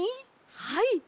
はい。